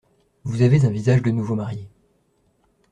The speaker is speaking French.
Vous avez un visage de nouveau marié.